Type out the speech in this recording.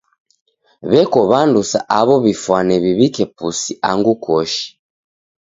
W'eko w'andu sa aw'o w'ifwane w'iw'ike pusi angu koshi.